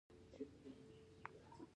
د ظلم د مینځلو لپاره باید څه شی وکاروم؟